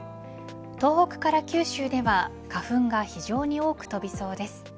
東北から九州では花粉が非常に多く飛びそうです。